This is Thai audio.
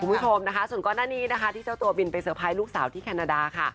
คุณผู้ชมส่วนข้อหน้านี้ที่เจ้าตัวบิลไปเซอร์ไพรด์ลูกสาวที่แคนาดา